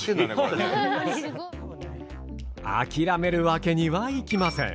諦めるわけにはいきません！